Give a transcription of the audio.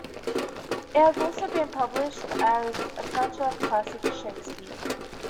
It has also been published as A Touch of Classics - Shakespeare.